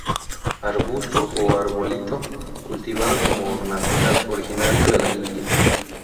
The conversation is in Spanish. Arbusto o arbolito cultivado como ornamental, originario de la India.